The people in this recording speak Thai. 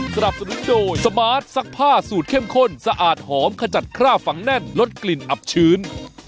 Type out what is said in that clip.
สนับสนุนโดยสมาร์ทซักผ้าสูตรเข้มข้นสะอาดหอมขจัดคราบฝังแน่นลดกลิ่นอับชื้น